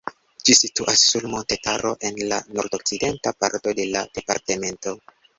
Ĝi situas sur montetaro en la nordokcidenta parto de la departemento.